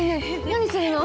何するの？